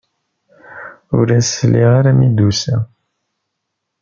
Ur as-sliɣ ara mi d-tusa.